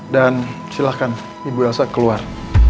dan silahkan ibu elsa keluar